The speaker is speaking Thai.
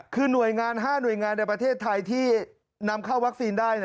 คือหน่วยงาน๕หน่วยงานในประเทศไทยที่นำเข้าวัคซีนได้